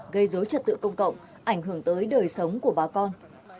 gây dối trật tự công cộng ảnh hưởng tới đời sống của bà con